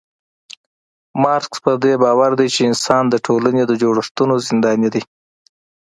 مارکس پدې باور دی چي انسان د ټولني د جوړښتونو زنداني دی